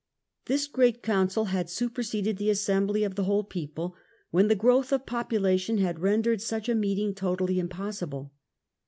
This Great Council had superseded the Assembly of the whole people when the growth of population had rendered such a meeting totally impossible.